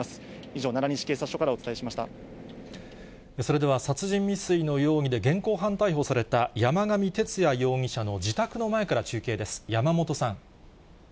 以上、奈良西警察署からお伝えしそれでは殺人未遂の容疑で現行犯逮捕された、山上徹也容疑者の自宅の前から中継です。